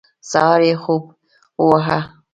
سهار یې خوب وواهه.